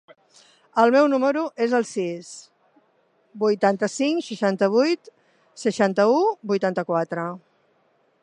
El meu número es el sis, vuitanta-cinc, seixanta-vuit, seixanta-u, vuitanta-quatre.